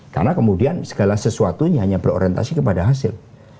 karena kemudian segala sesuatunya hanya berorientasi kepada hasil